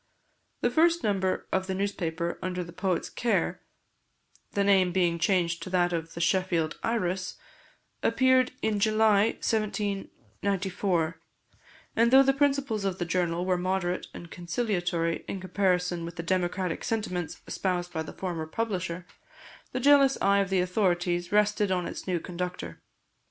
The first number of the newspaper under the poet's care, the name being changed to that of The Sheffield Iris, appeared in July 1794; and though the principles of the journal were moderate and conciliatory in comparison with the democratic sentiments espoused by the former publisher, the jealous eye of the authorities rested on its new conductor.